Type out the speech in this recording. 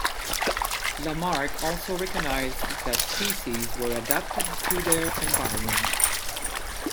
Lamarck also recognized that species were adapted to their environment.